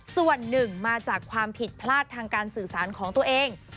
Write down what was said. ส่วนหนึ่งมาจากความผิดพลาดทางการสื่อสารของตัวเอง